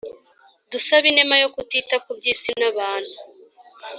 dusabe inema yo kutita ku by ‘isi nabantu